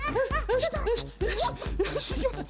よしいきます。